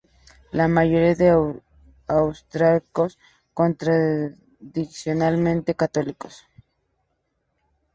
La mayoría de austríacos son tradicionalmente Católicos.